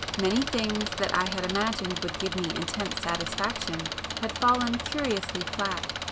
Many things that I had imagined would give me intense satisfaction had fallen curiously flat.